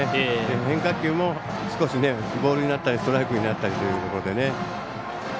変化球もボールになったりストライクになったりというところでね。